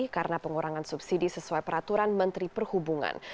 karena pengurangan subsidi sesuai peraturan menteri perhubungan